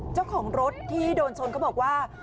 เจ้าของรถที่โดนชนเขาบอกว่า